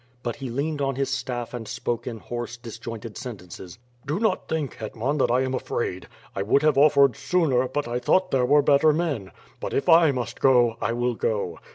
But he leaned on his taff and spoke in hoarse, disjointed sentences: "Do not think, Hetman, that I am afraid. I would have offered sooner, but I thought there were better men; but, if I must go, I will go.